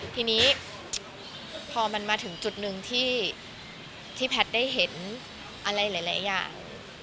ทีนี้พอมันมาถึงจุดหนึ่งที่แพทย์ได้เห็นอะไรหลายอย่าง